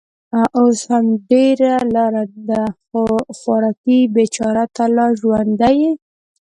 اوس هم ډېره لار ده. خوارکۍ، بېچاره، ته لا ژوندۍ يې؟